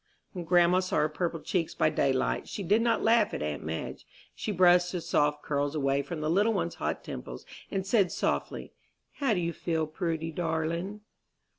When grandma saw her purple cheeks by daylight she did not laugh at aunt Madge. She brushed the soft curls away from the little one's hot temples, and said softly, "How do you feel, Prudy, darling?"